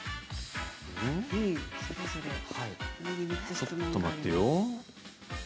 ちょっと待てよ。